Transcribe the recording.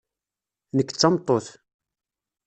Nekk d tameṭṭut.